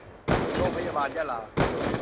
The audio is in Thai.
โรงพยาบาลยะลา